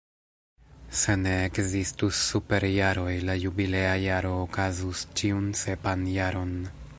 Se ne ekzistus superjaroj, la jubilea jaro okazus ĉiun sepan jaron.